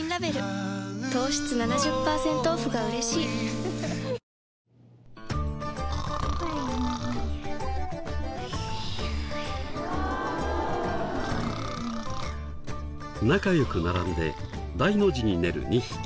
愛に足る想い糖質７０％オフがうれしい仲良く並んで大の字に寝る２匹。